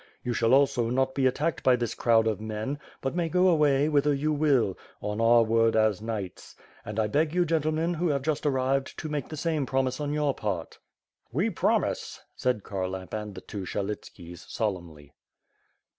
You shall also not be attacked by this crowd of men, but may go away, whither you will — on our word as knights. And I beg you, gentlemen, who have jubt arrived, to make the same promise on your part.^' WITH FIRE AND SWORD. 5^3 "We promise!" said Kharlamp and the two Syelitskis, sol emnly.